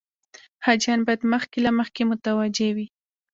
حاجیان باید مخکې له مخکې متوجه وي.